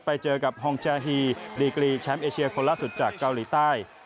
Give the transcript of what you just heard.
ไปเจอกับฮองแจฮีดีกรีแชมป์เอเชียคนล่าสุดจากเกาหลีใต้